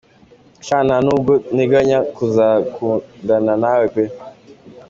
Sha nta n’ubwo nteganya kuzakundana nawe pe.